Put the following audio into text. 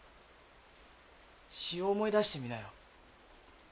詩を思い出してみなよ。